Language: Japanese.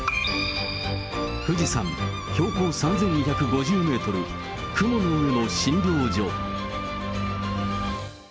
富士山、標高３２５０メートル、雲の上の診療所。